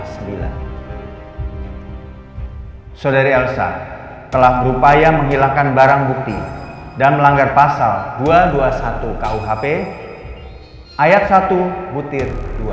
saudari elsa telah berupaya menghilangkan barang bukti dan melanggar pasal dua ratus dua puluh satu kuhp ayat satu butir dua